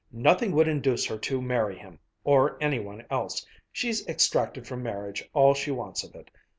"Nothing would induce her to marry him or any one else. She's extracted from marriage all she wants of it.